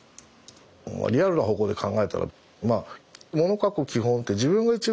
リアルな方向で考えたらもの書く基本って自分が一番